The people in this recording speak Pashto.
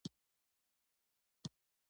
افسانې د ریښتونو پېښو ضمني انعکاس دی.